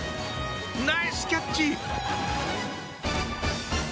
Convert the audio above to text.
ナイスキャッチ！